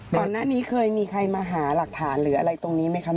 ก่อนหน้านี้เคยมีใครมาหาหลักฐานหรืออะไรตรงนี้ไหมคะ